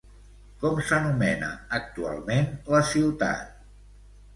Com s'anomena actualment la ciutat?